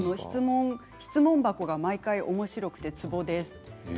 質問箱が毎回おもしろくてつぼです。